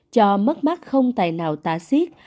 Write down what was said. cho mất mắt không tài nào tả xiết